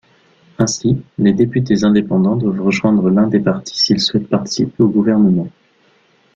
Ainsi, les députés indépendants doivent rejoindre l'un des partis s'ils souhaitent participer au gouvernement.